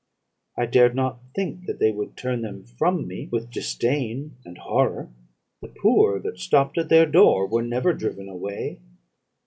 I dared not think that they would turn them from me with disdain and horror. The poor that stopped at their door were never driven away.